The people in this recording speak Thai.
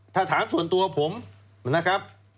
ถ้าถามส่วนตัวผมนะครับ